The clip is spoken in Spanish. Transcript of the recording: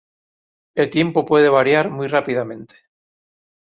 El tiempo puede variar muy rápidamente.